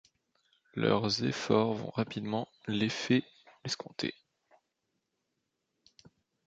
Leurs efforts vont rapidement l'effet escompté.